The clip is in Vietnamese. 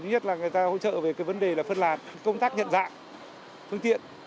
nhất là người ta hỗ trợ về cái vấn đề là phân lạt công tác nhận dạng phương tiện